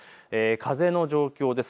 風の状況です。